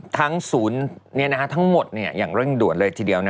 ศูนย์ทั้งหมดอย่างเร่งด่วนเลยทีเดียว